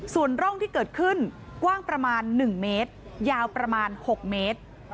ส่วนร่องที่เกิดขึ้นกว้างประมาณ๑เมตรยาวประมาณ๖เมตร